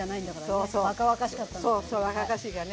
そうそう若々しいからね。